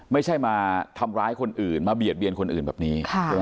ไม่ใช่มาทำร้ายคนอื่นมาเบียดเบียนคนอื่นแบบนี้